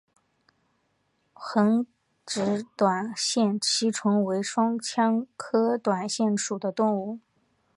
横殖短腺吸虫为双腔科短腺属的动物。